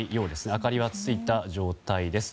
明かりはついた状態です。